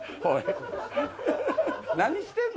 何してんの？